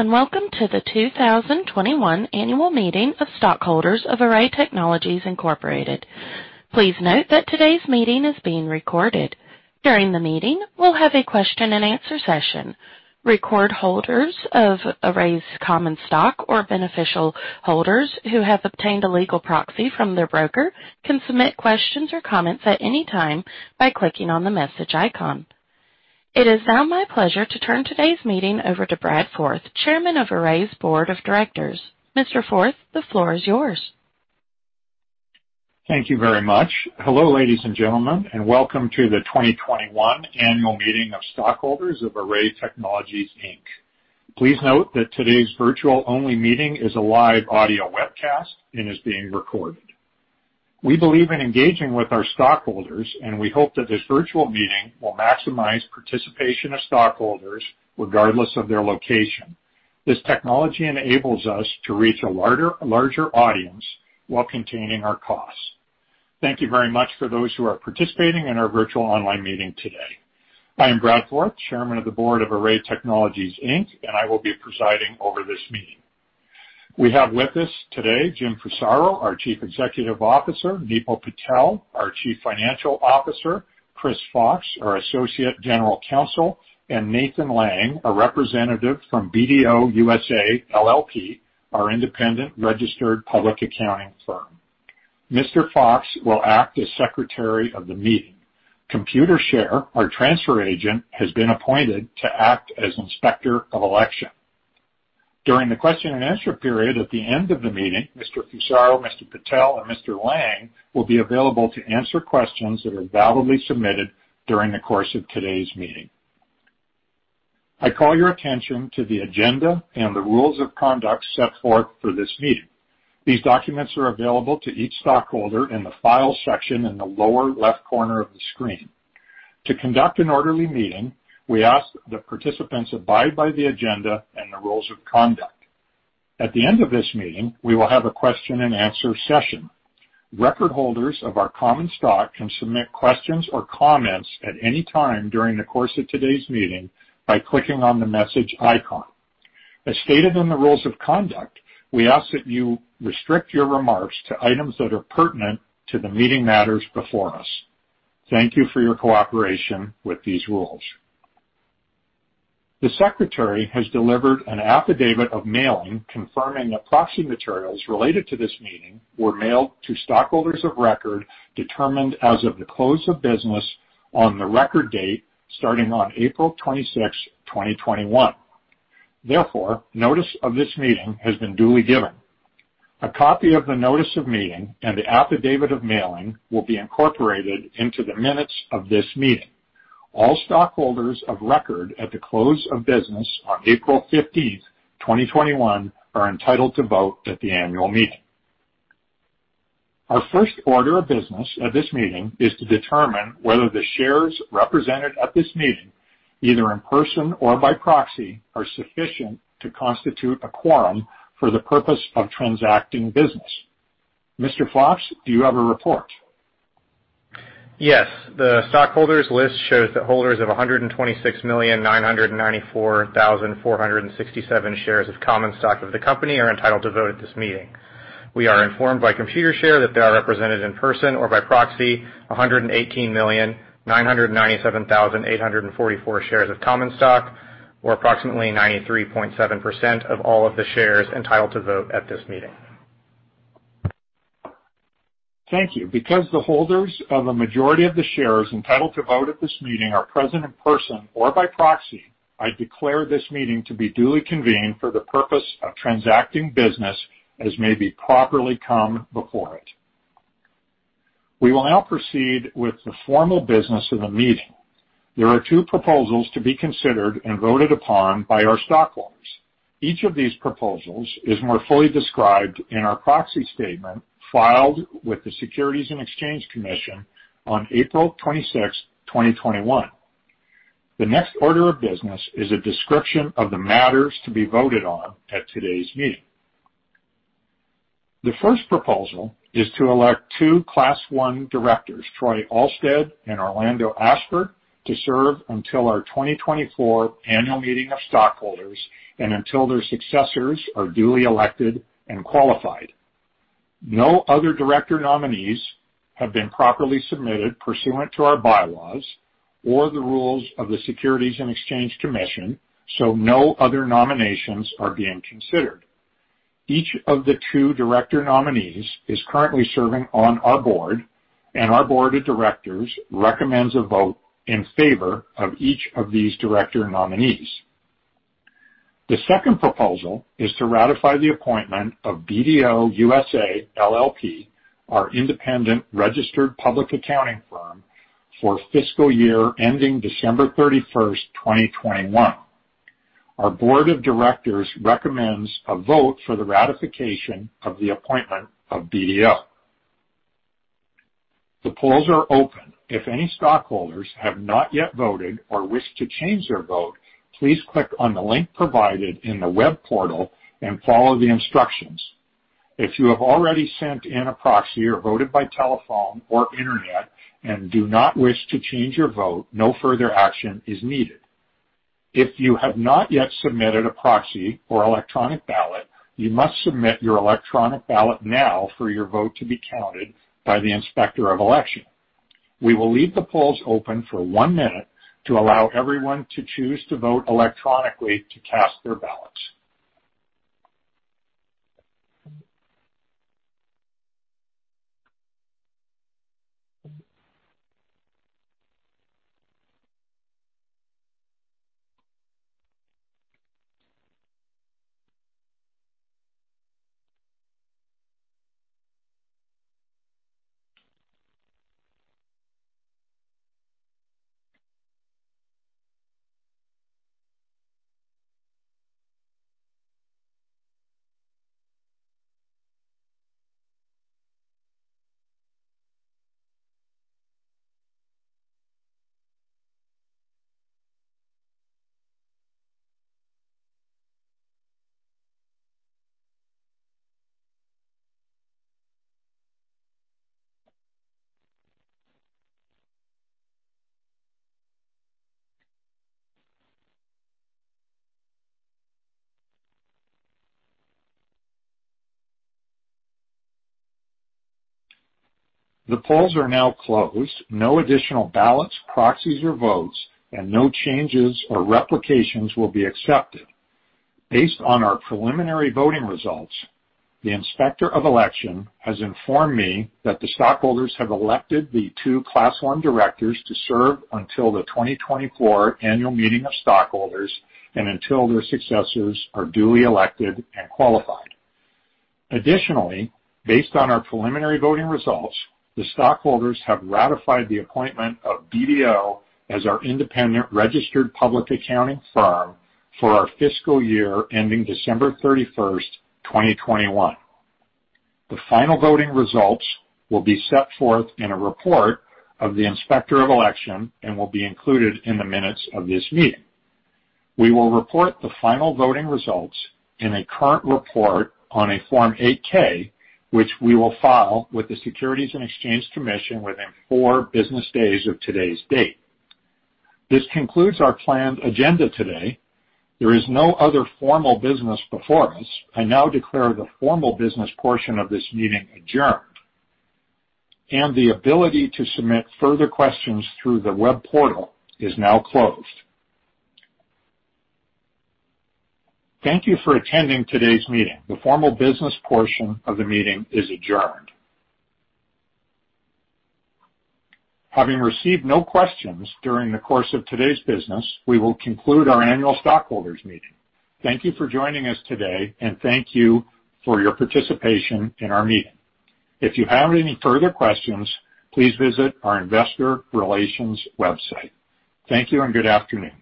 Hello, and welcome to the 2021 annual meeting of stockholders of Array Technologies Incorporated. Please note that today's meeting is being recorded. During the meeting, we'll have a question and answer session. Record holders of Array's common stock or beneficial holders who have obtained a legal proxy from their broker can submit questions or comments at any time by clicking on the message icon. It is now my pleasure to turn today's meeting over to Brad Forth, Chairman of Array's Board of Directors. Mr. Forth, the floor is yours. Thank you very much. Hello, ladies and gentlemen, welcome to the 2021 annual meeting of stockholders of Array Technologies, Inc. Please note that today's virtual-only meeting is a live audio webcast and is being recorded. We believe in engaging with our stockholders, and we hope that this virtual meeting will maximize participation of stockholders regardless of their location. This technology enables us to reach a larger audience while containing our costs. Thank you very much for those who are participating in our virtual online meeting today. I am Brad Forth, Chairman of the Board of Array Technologies, Inc., and I will be presiding over this meeting. We have with us today Jim Fusaro, our Chief Executive Officer, Nipul Patel, our Chief Financial Officer, Chris Fox, our Associate General Counsel, and Nathan Lang, a representative from BDO USA, LLP, our independent registered public accounting firm. Mr. Fox will act as secretary of the meeting. Computershare, our transfer agent, has been appointed to act as inspector of election. During the question and answer period at the end of the meeting, Mr. Fusaro, Mr. Nipul Patel, and Mr. Lang will be available to answer questions that are validly submitted during the course of today's meeting. I call your attention to the agenda and the rules of conduct set forth for this meeting. These documents are available to each stockholder in the Files section in the lower left corner of the screen. To conduct an orderly meeting, we ask that participants abide by the agenda and the rules of conduct. At the end of this meeting, we will have a question and answer session. Record holders of our common stock can submit questions or comments at any time during the course of today's meeting by clicking on the message icon. As stated in the rules of conduct, we ask that you restrict your remarks to items that are pertinent to the meeting matters before us. Thank you for your cooperation with these rules. The secretary has delivered an affidavit of mailing confirming that proxy materials related to this meeting were mailed to stockholders of record determined as of the close of business on the record date starting on April 26, 2021. Therefore, notice of this meeting has been duly given. A copy of the notice of meeting and the affidavit of mailing will be incorporated into the minutes of this meeting. All stockholders of record at the close of business on April 15, 2021, are entitled to vote at the annual meeting. Our first order of business at this meeting is to determine whether the shares represented at this meeting, either in person or by proxy, are sufficient to constitute a quorum for the purpose of transacting business. Mr. Fox, do you have a report? Yes. The stockholders' list shows that holders of 126,994,467 shares of common stock of the company are entitled to vote at this meeting. We are informed by Computershare that there are represented in person or by proxy 118,997,844 shares of common stock, or approximately 93.7% of all of the shares entitled to vote at this meeting. Thank you. Because the holders of a majority of the shares entitled to vote at this meeting are present in person or by proxy, I declare this meeting to be duly convened for the purpose of transacting business as may be properly come before it. We will now proceed with the formal business of the meeting. There are two proposals to be considered and voted upon by our stockholders. Each of these proposals is more fully described in our proxy statement filed with the Securities and Exchange Commission on April 26, 2021. The next order of business is a description of the matters to be voted on at today's meeting. The first proposal is to elect two Class I directors, Troy Alstead and Orlando D. Ashford, to serve until our 2024 annual meeting of stockholders and until their successors are duly elected and qualified. No other director nominees have been properly submitted pursuant to our bylaws or the rules of the Securities and Exchange Commission, so no other nominations are being considered. Each of the two director nominees is currently serving on our board, and our board of directors recommends a vote in favor of each of these director nominees. The second proposal is to ratify the appointment of BDO USA, LLP, our independent registered public accounting firm, for fiscal year ending December 31st, 2021. Our board of directors recommends a vote for the ratification of the appointment of BDO. The polls are open. If any stockholders have not yet voted or wish to change their vote, please click on the link provided in the web portal and follow the instructions. If you have already sent in a proxy or voted by telephone or internet and do not wish to change your vote, no further action is needed. If you have not yet submitted a proxy or electronic ballot, you must submit your electronic ballot now for your vote to be counted by the Inspector of Election. We will leave the polls open for one minute to allow everyone to choose to vote electronically to cast their ballots. The polls are now closed. No additional ballots, proxies or votes, and no changes or replications will be accepted. Based on our preliminary voting results, the Inspector of Election has informed me that the stockholders have elected the two Class I directors to serve until the 2024 Annual Meeting of Stockholders and until their successors are duly elected and qualified. Additionally, based on our preliminary voting results, the stockholders have ratified the appointment of BDO as our independent registered public accounting firm for our fiscal year ending December 31st, 2021. The final voting results will be set forth in a report of the Inspector of Election and will be included in the minutes of this meeting. We will report the final voting results in a current report on a Form 8-K, which we will file with the Securities and Exchange Commission within four business days of today's date. This concludes our planned agenda today. There is no other formal business before us. I now declare the formal business portion of this meeting adjourned, and the ability to submit further questions through the web portal is now closed. Thank you for attending today's meeting. The formal business portion of the meeting is adjourned. Having received no questions during the course of today's business, we will conclude our annual stockholders meeting. Thank you for joining us today, and thank you for your participation in our meeting. If you have any further questions, please visit our investor relations website. Thank you and good afternoon.